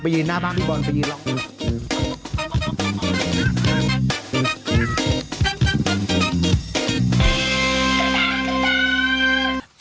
ไปยินหน้าบ้านพี่บอลไปยินล่ะ